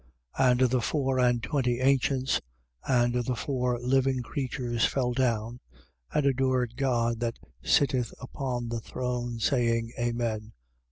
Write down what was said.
19:4. And the four and twenty ancients and the four living creatures fell down and adored God that sitteth upon the throne, saying: Amen.